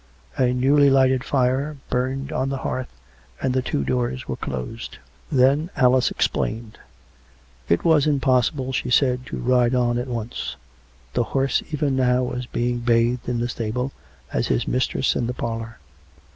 A newly lighted fire burned on the hearth, and the two doors were closed.) Then Alice explained. It was impossible, she said, to ride on at once; the horse even now was being bathed in the stable, as his mistress in the parlour.